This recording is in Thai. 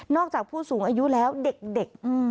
จากผู้สูงอายุแล้วเด็ก